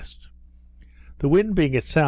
The wind being at S.S.